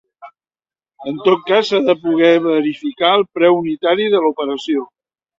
En tot cas, s'ha de poder verificar el preu unitari de l'operació.